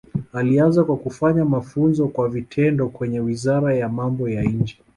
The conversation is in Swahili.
Alianza kwa kufanya mafunzo kwa vitendo kwenye Wizara ya Mambo ya Nje